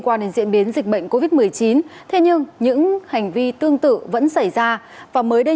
quan đến diễn biến dịch bệnh covid một mươi chín thế nhưng những hành vi tương tự vẫn xảy ra và mới đây